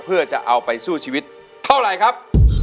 เพื่อจะเอาไปสู้ชีวิตเท่าไหร่ครับ